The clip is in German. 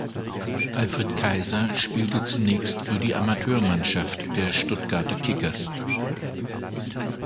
Alfred Kaiser spielte zunächst für Amateurmannschaft der Stuttgarter Kickers.